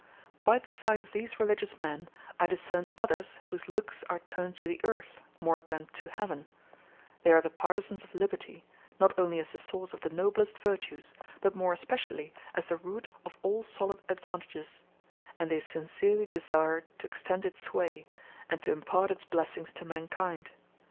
By the side of these religious men I discern others whose looks are turned to the earth more than to Heaven; they are the partisans of liberty, not only as the source of the noblest virtues, but more especially as the root of all solid advantages; and they sincerely desire to extend its sway, and to impart its blessings to mankind.